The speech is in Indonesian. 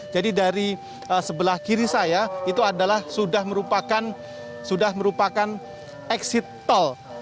jadi dari sebelah kiri saya itu adalah sudah merupakan exit tol